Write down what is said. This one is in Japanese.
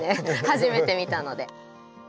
初めて見たので。